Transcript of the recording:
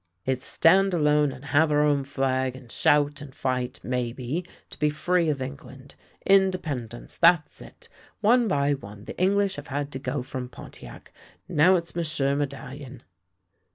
It's stand alone and have our own flag, and shout, and light, maybe, to be free of England. Independence, that's it. One by one the English have had to go from Pontiac. Now it's M'sieu' Medallion."